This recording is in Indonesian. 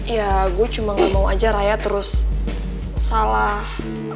ya gue cuma gak mau aja raya terus salah